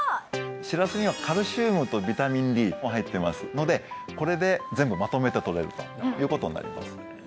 しらすにはカルシウムとビタミンＤも入ってますのでこれで全部まとめてとれるということになります